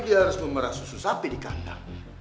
dia harus memerah susu sapi di kandang